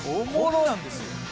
こんなんですよ。